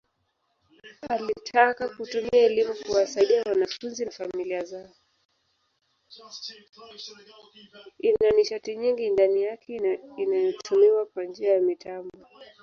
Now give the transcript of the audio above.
Ina nishati nyingi ndani yake inayotumiwa kwa njia ya mitambo.